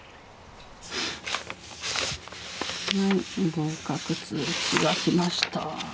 合格通知が来ました。